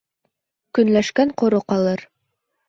Көнләшкән ҡоро ҡалыр.